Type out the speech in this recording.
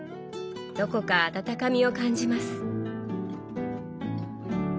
どこか温かみを感じます。